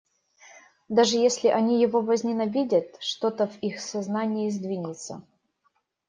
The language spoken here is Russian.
Даже если они его возненавидят, что-то в их сознании сдвинется.